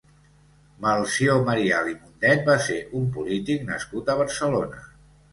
Melcior Marial i Mundet va ser un polític nascut a Barcelona.